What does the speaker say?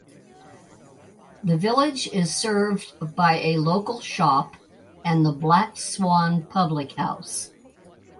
The village is served by a local shop and the Black Swan public house.